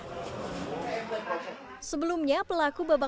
sebelumnya pelaku berpindah pindah ke sejumlah daerah